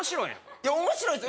いや面白いです